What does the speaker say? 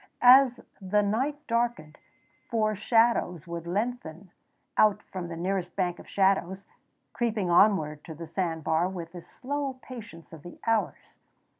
As the night darkened four shadows would lengthen out from the nearest bank of shadows, creeping onward to the sand bar with the slow patience of the hours.